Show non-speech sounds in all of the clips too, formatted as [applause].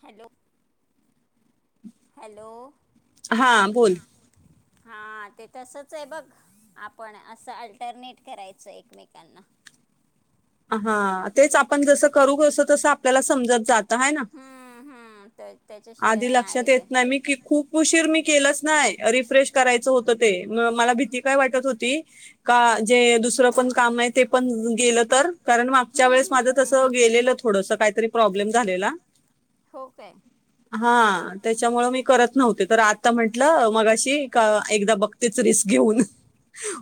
Hello, hello हा बोल. हा ते तसच आहे बघ. आपण असं अल्टरनेट करायचं एकमेकांना. हा तेच आपण जस करू कस तस आपल्याला समजत जात त आहे ना? हम्म हम्म तर त्याच्याशिवाय आधी नाही लक्षात आयडिया येत नाही. मी की खूप उशीर मी केलाच नाही रिफ्रेश करायचं होतं ते. म मला भीती काय वाटत होती का, जे दुसरं पण काम आहे ते पण गेलं तर? कारण मागच्या वेळेस हम्म माझं हम्म तस हम्म हम्म गेलेलं थोडस, काहीतरी प्रॉब्लेम झालेला. हो काय? हा त्याच्यामुळे मी करत नव्हते. तर आता म्हंटलं मगाशी का एकदा बघतीच रिस्क घे घेऊन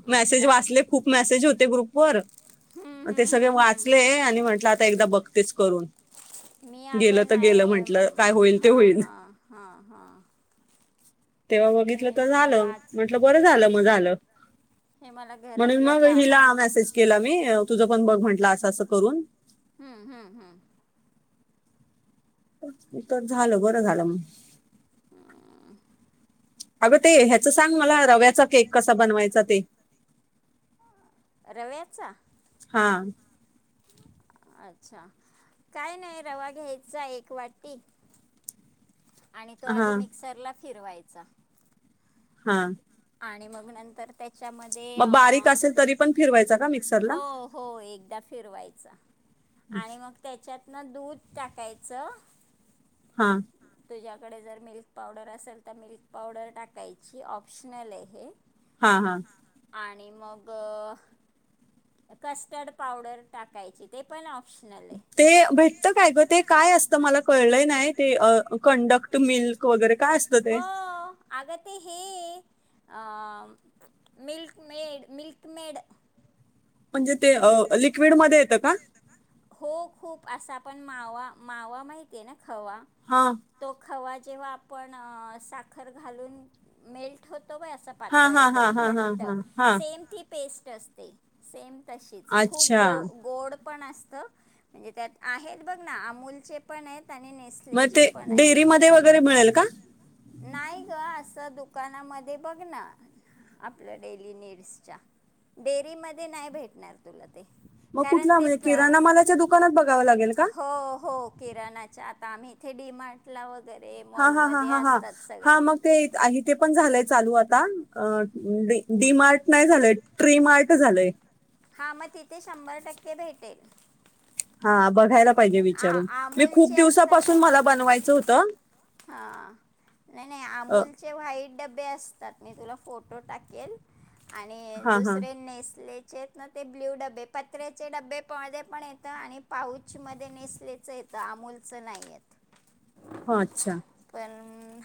मॅसेज अच्छा वाचले, खूप मॅसेज होते ग्रुप वर. हम्म ते हम्म सगळे हम्म वाचले हम्म आणि म्हटलं आता एकदा बघतेच करून. मी अगं गेलं तर नाही, गेलं अं म्हटलं काय होईल ते हं होईल हं हं हं. तेव्हा बघितलं तर झालं. म्हटलं बरं झालं मग झालं हे मला म्हणून घरातल्या मग हिला कामांमुळे मेसेज केला मी अ तुझं पण बघ म्हटल असं असं करून. हं हं हं. तर झालं. बरं झालं मग. हम्म अगं ते ह्याच सांग मला. रव्याचा केक कसा बनवायचा? ते. रव्याचा? हां. अच्छा काय नाही. रवा घ्यायचा एक वाटी, आणि तो हा आधी मिक्सरला फिरवायचा. हां. आणि मग नंतर त्या मग बारीक असेल तरी पण फिरवाय हो हो, एकदा फिरवायचा आणि मग त्याच्यात ना दूध टाकायचं. हां. तुझ्याकडे जर मिल्क पावडर असेल तर मिल्क पावडर टाकायची, ऑप्शनल आहे. हां हां. आणि मग कस्टड पावडर टाकायची ते पण ऑप्शनल आहे ते भेटत काय ग ते काय असतं मला कळलंय नाही ते अ कंडक्ट मिल्क वगैरे काय असतं ते हो आग ते हे मिल्क मेड मिल्क मेड म्हणजे ते मिल्क लिक्विडमध्ये येतं का? पण मावा मावा माहिती आहे ना खवा हा तो खवा जेव्हा आपण साखर घालून मेल्ट होत तो असा हा पातळ हा हा एकदम हा हा घट्ट हा हा सेम ती पेस्ट असते सेम तशीच खूप अच्छा गो गोड पण असत म्हणजे त्यात आहेत बघ ना अमूलचे पण येत आणि मग नेसल्याचे ते पण डेअरीमध्ये आहेत वगैरे मिळेल का नाही ग अस दुकानामध्ये बघ ना आपल्या डेली नीड्सच्या डेअरी मध्ये नाही भेटणार तुला. मग कारण कुठला ते म्हणजे प्र किराणा मालाच्या दुकानात बघावं लागेल का हो हो किराणाच्या आ आम्ही इथे डी मार्टला व हा हा हा ह हा हा मग ते ते पण झालंय चालू आता अ डी मार्ट नाही झालंय ट्री मार्ट झालंय. हा मग तिथे शंभर टक्के भेटेल. हा बघायला पाहिजे आ विचारून मी खूप अमूलचे दिवसापासून मला बनवायचं होतं हा नाही नाही अ, अमूलचे वाईट डब बे असतात मी तुला फोटो टाकेल आणि हा हा दुसरे नेसले नं ते ब्ल्यू डबे पत्र्याचे डबे प पण येत आणि पाऊच मध्ये ते नेसलेच येतं अमूोलचं नाहीयेत. हो अच्छा.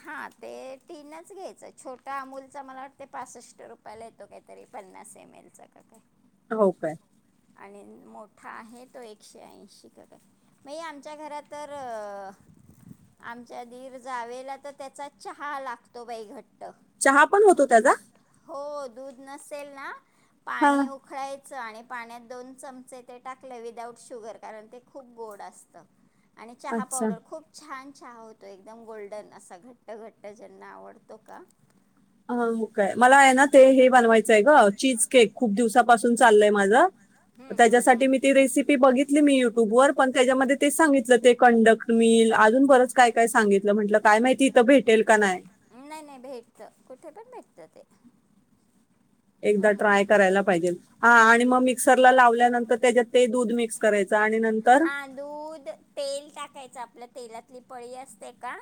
हा ते तीनच घ्यायचं छोटा अमूलच मला वाटतते पासष्ट रुपयाला येतो काहीतरी पन्नास [unintelligible] हो काय. आणि मोठा आहे तो एकशे ऐंशी कर मग आमच्या घरात तर आमच्या दीर जावेला तर त्याचा चहा लागतो बाई घट्ट. चहा पण होतो त्याचा. हो दूध नसेल ना हा पाणी उखळायचं आणि पाण्यात दोन चमचे ते टाकले विदाउट शुगर कारण ते खूप गोड असत. आणि चहा अच्छा पावडर खूप छान. चहा होतो एकदम गोल्डन असा घट्ट घट्ट ज्यांना आवडतो का. हा काय मला आहे ना ते हे बनवायचंय ग चीज केक खूप दिवसापासून चाललय माझं. हम्म हम्म हम्म. त्याच्यासाठी मी ती त्यासाठी रेसिपी बघित ली मी युट्यूब वर पण बघितली त्याच्यामध्ये तेच सांगितलं ते कंडक्ट मिल अजून बरच काय काय सांगितलं म्हंटलं काय माहिती इथं भेटेल का नाही नाही नाही भेटतं. कुठे भेटतं ते. एकदा ट्राय हम्म. करायला पाहिजे, हा आणि मग मिक्सरला लावल्यानंतर त्याच्यात ते दूध मिक्स करेल. हा दूध, तेल टाकायचं आपलं तेलातली पळी असते का..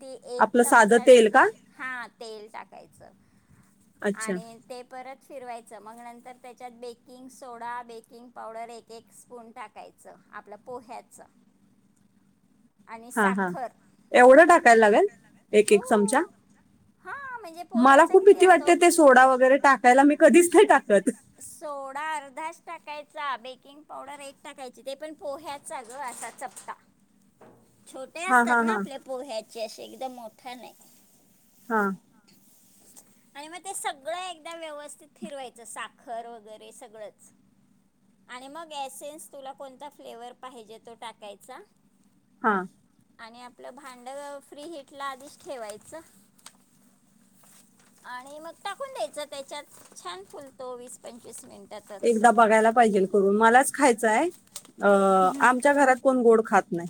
ते एक आपलं साधं चमचा, तेल का हा तेल टाकायचं. अच्छा आणि ते परत फिरवायच मग नंतर त्याच्यात बेकिंग सोडा, बेकिंग पावडर, एक एक स्पून टाकाय च आपल्या पोह्याच. हा हा एवढं टाकायला लागेल एक हो एक चमचा. हां म्हणजे मला पोह्याचा खूप किती भिती असतो वाटते ते भीती सोडा वगैरे टाकायला मी कधीच नाही टाकत. सोडा अर्धाचं टाक. कायचा बेकिंग पावडर एक टाकायची ते पण पोह्याचा ग असा चपटा. छोट्या हा असतात हा ना हा आपल्या पोह्याचे असे एकदम मोठा नाय. हा. आणि म ते सगळं एकदमचं व्यवस्थित फिरवायचं, साखर वगैरे सगळंच आणि मग एसेन्स तुला कोणता फ्लेवर पाहिजे तो टाकायचा. हा. ‌ आणि आपलं भांड फ्री हिटला आधीच ठेवायचं. आणि मग टाकून द्यायचं त्याच्यात छान फुलतो वीस पंचवीस मिन एकदा बघायला पाहिजेल करून मलाच खायचाय आअ आमच्या घरात कोण गोड खात नाय.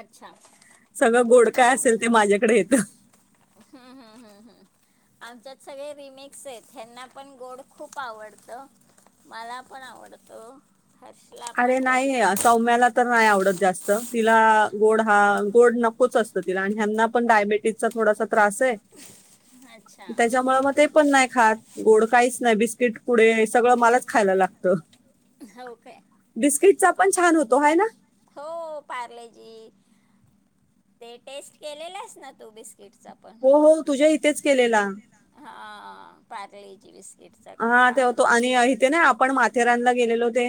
अच्छा सगळं गोड काय असेल ते माझ्याकड येतं. हूं हूं हूं हूं आमच्यात सगळे रिमिक्स येत त्यांना पण गोड खूप आवडत. मला पण आवडत. अरे नाही सौम्याला तर नाही आवडत जास् त तिला गोड हा गोड नकोच असत तिला आणि हयांना पण डायबेटीजचा थोडासा. त्रास ये, अच्छा त्याच्यामुळे म ते पण नाय खात. गोड काहीच नाय बिस्किट पुडे सगळं मलाच खायला लागतं. हो काय? बिस्किटचा पण छान होतो हाय ना. हो पारलेजी ते टेस्ट केलेलंस ना तू बिस् हो हो तुझ्या इथेच केलेला. हा पारलेजी बिस्क हा ते होतो आणि इथे ना आपण माथेरानला गेलेलो ते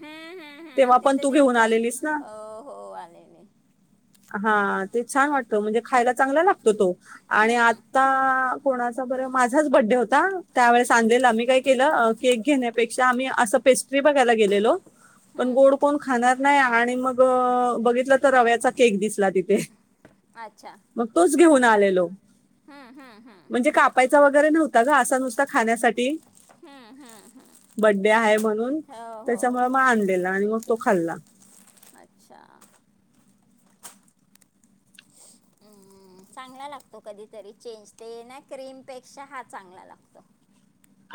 हम्म हम्म हम्म तेव्हा पण तिथं तू घेऊन दिलत आलेलीस ना हो हो आलेले. हा ते छान वाटतं म्हणजे खायला चांगला लागतो तो आणि हम्म आता कोणाचा बर माझाच बड्डे होत ता त्यावेळेस आणलेला मी काय केलं अ केक घेण्यापेक्षा आम्ही असं पेस्ट्री बघायला गेलेलो. पण हम्म गोड कोण खाणार नाय आणि मग बघितलं तर रव्याचा केक दिसला तिथे अच्छा मग तोच घेऊन आलो हम्म हम्म हम्म म्हणजे कापायचा वगैरे नव्हता ग आसा नुसता खाण्यासाठी हम्म हम्म हम्म बड्डे हाय म्हणून हो हो त्याच्यामुळे मग आणलेला आणि मग तो खल्ला. अच्छा हम्म् चांगला लागतो कधीतरी चेंज ते ना क्रीमपेक्षा हा चांगला लागतो.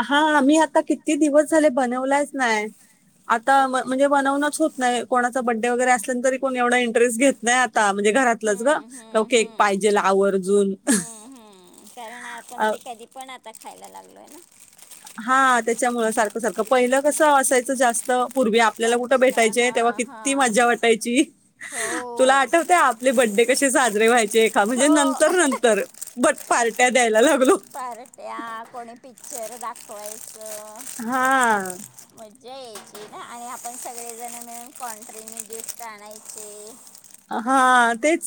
हा आम्ही आता किती दिवस झाले बनवलाच नाय आता हो म काय म्हणजे बनवूनच होत नाय कोणाचा बड्डे वगैरे असल्या तरी कोण एवढा इंटरेस्ट घेत नाय आ ता म्हणजे घरात ग हम्म का हम्म केक हम्म पाहिजेल आवर्जून हम्म हम्म कारण आपण आ ते कधी पण आता खायला लागलोय ना. हा त्याच्यामुळ सारखं सारखं पहिलं कसं असायचं जास्त पूर्वी आपल्याला कुठ फंक्शन भेटायचे हा तेव्हा किती हा मजा वाटायची तुला हो आठवते आपले बडे ड्डे कसे साज ते का हो म्हणजे नंतर नंतर ब पार्ट्या द्यायला लागलो. पार्ट्या कोणी पिक्चर दाखवायचे हा मजा याची ना आणि आपण सगळेजण मिळून कॉन्ट्री ने गिफ्ट आणायचे. हा... तेच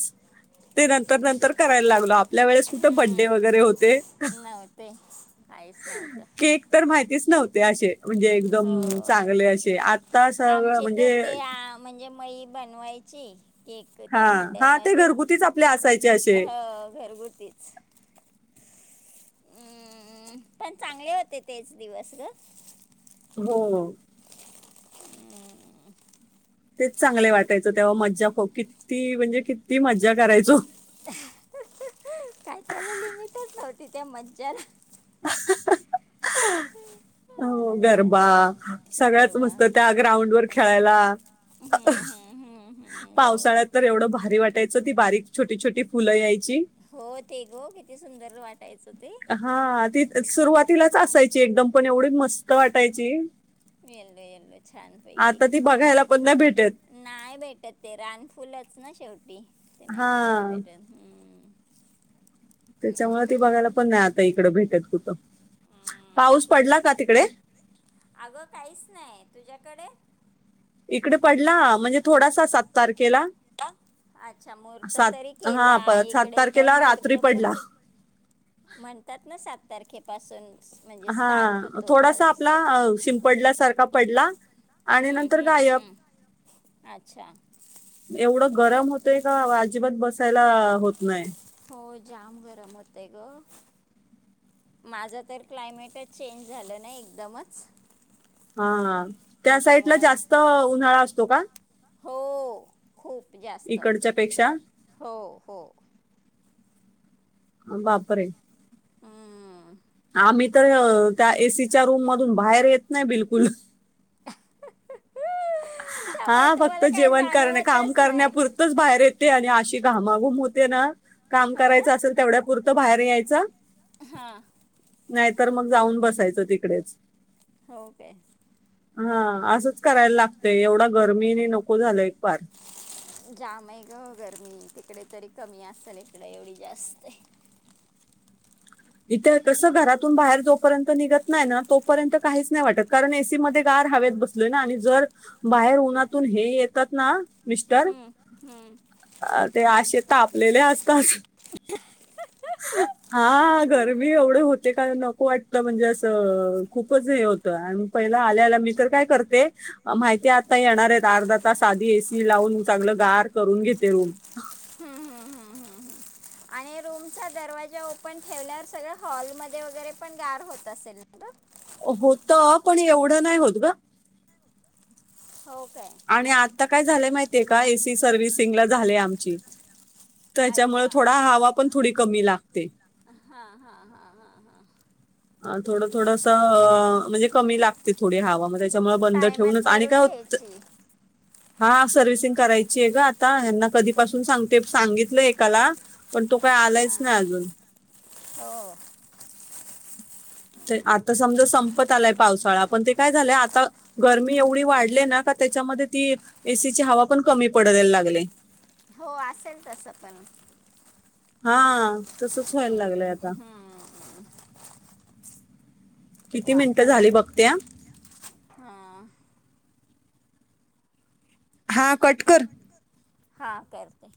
ते नंतर -नंतर करायला लागलो आपल्या वेळेस कुठे बड्डे वगैरे होते. नव्हतेच [inaudible] काहीच नव्हत केक तर माहितीच नव्हते असे म्हणजे एकदम चांगले- असे आता सगळं आमचे -म्हणजे तर ते आ, म्हणजे मई बनवायची.. केक त्या हा हा ते भांड्यामध्ये घरगुतीच आपले असायचे [inaudible] असे ह घरगुतीच हम्म पण चांगले होते तेच दिवस ग हो हम्म. तेच चांगले वाटायचं तेव्हा मज्जा किती म्हणजे किती मज्जा करायचो [inaudible] काय त्याल लिमिट नव्हतं त्या मजाला हो गर्बा सगळ्याच गरवा मस्त त्या ग्राउंड वर खेळायला हम्म हम्म हम्म [inaudible] हम्म बरोबर. पावसाळ्यात तर एवढं भारी वाटायचं ती बारीक छोटी- छोटी फुलं यायची हो ते ग किती सुंदर वाटायचं, ते हा ती -सुरुवातीलाच असायची एकदम पण एवढी मस्त वाटायची येल्लो येल्लो छानपैकी. आता ती बघायला पण नाही भेटत, नाही भेटत ते रानफुलच ना शेवटी ते नाही हा बघायला भेटत हम्म त्याच्यामुळे ती बघायला पण नाही आता इकडं भेटत कुठं. पाऊस हम्म. पडला का तिकडे? इकडे इकडे पडला म्हणजे थोडासा सात तारखे [unintelligible] अच्छा महूर्त सात तरी हा केला प- सात इकडे तर तारखेला महूर्त रात्री पण पडला म्हणतात ना सात तारखेपासून स- म्हणजे हा स्टार्ट होतो थोडासा पाऊस आपला शिंपडल्या सारखा पडला आणि हम्म, नंतर हम्म, गायब हम्म. अच्छा एवढं म्हणजे हो गरम होतय का अजिबात बसायला होत नाही. होय जाम गरम होतं आहे ग.. माझं तर क्लायमेटच चेंज झालं नाही एकदमच हा- हा त्या साइडला त्याच्यामुळे जास्त उन्हाळा असतो का? हो खूप जास्त इकडच्या पेक्षा हो -हो- बापरे! हम्म.... आम्ही तर त्या एसीच्या रूम मधून बाहेर येत नाही बिलकुल [inaudible] [inaudible] त्यामुळे हा फक्त तुम्हाला काही जेवण करणे काम जाणवतच नाही करण्यापुरतच बाहेर येत होते आणि अशी घामाघूम होते ना काम हो करायचं असेल तेवढ्या पुुरतं बाहेर यायचं हा.. नाही तर मग जाऊन बसायचं तिकडेच. हो काय.. हा असंच करायला लागतंय एवढा गर्मी ने नको झालंय फार [inaudible] जाम आहे ग [inaudible] तिकडे तरी कमी असेल इकडे एवढी जास्त आहे इथे कसं घरात इथून बाहेर जोपर्यंत निघत नाही ना तोपर्यंत काहीच नाही वाटत कारण एसीमध्ये गार हवेत बसलोय ना आणि जर बाहेर उन्हातून हे येतात ना मिस्टर, हम्म, हम्म. ते -आशे तापलेले असतात बस हा,, [unintelligible] गरमी एवढे होते का नको वाटतं म्हणजे असं खूपच हे होतो पहिला आले आले मी तर काय करते माहिती आता येणार आहेत अर्धा तास आधी एसी लावून चांगलं गार करून घे ते रूम [inaudible] हम्म, हम्म, हम्म, हम्म. हम्म. [inaudible] रूमचा दरवाजा ओपन ठेवल्यावर सगळ हॉलमध्येध्ये वगैरे पण गार होत असेल ना ग? होत. पण एवढं नाही होत ग. हो काय आणि आता काय झालंय माहितीय का, एसी सर्वि्हसिंगला झाले आमची त्याच्यामुळे अच्छा. थोडा पण थोडी हवा कमी लागते पण हा हा हा हा हा अ थोडं थोडस अ म्हणजे, कमी लागते थोडी हवामध्ये त्यामुळे बंद टायमात ठेवूनच आणि करून काय होत घ्यायची हा सर्व्हिसिंग करायचीय ग आता. ह्यांना कधीपासून सांगते सांगितलं एकाला पण तो तो काय आलायच हां नाही अजून हो ते आता समजा संपत आलाय पावसाळा पण, ते काय झालंय आता गरमी एवढी वाढली ना का त्याच्यामध्ये ती ए सी ची हवा पण कमी पडायला लागलय. हो. असेल तसं पण. हा. तसंच व्हायला लागलंय आता. हम्म, किती मिनिटं झाली वातावरण, बघते हा हा. हा. कट कर. हा. करते.